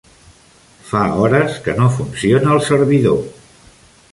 Fa hores que no funciona el servidor.